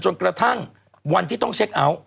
จนกระทั่งวันที่ต้องเช็คอัล